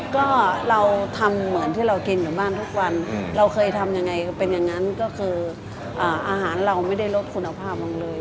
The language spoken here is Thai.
ก็เราทำเหมือนที่เรากินอยู่บ้านทุกวันเราเคยทำยังไงเป็นอย่างนั้นก็คืออาหารเราไม่ได้ลดคุณภาพมันเลย